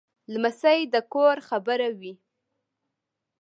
لمسی د کور خبره وي.